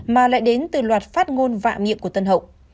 mà lại đến từ loạt phát ngôn vạ miệng của tân hậu